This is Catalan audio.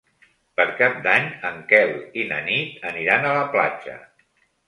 Per Cap d'Any en Quel i na Nit aniran a la platja.